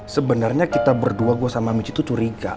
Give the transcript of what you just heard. sebenarnya kita berdua gue sama michi itu curiga